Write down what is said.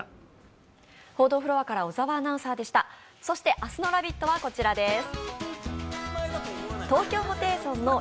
そして、明日の「ラヴィット！」はこちらです。